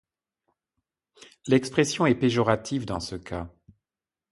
L'expression est péjorative dans ce cas.